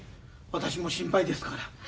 私も心配ですから。